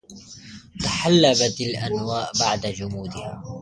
تحلبت الأنواء بعد جمودها